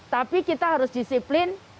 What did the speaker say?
tapi kita harus disiplin